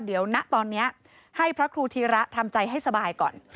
เดี๋ยวนะตอนนี้ให้พระครูธีระทำใจให้สบายก่อน